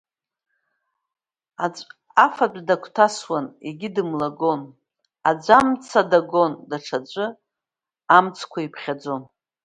Аӡә афатә дагәҭасуан егьи дымлагон, аӡә амца дагон, даҽаӡә амҵқәа иԥхьаӡон.